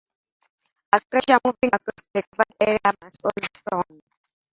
A creature moving across the covered area must all prone.